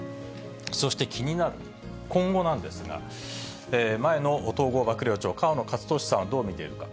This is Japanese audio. そして気になる今後なんですが、前の統合幕僚長、河野克俊さんはどう見ているのか。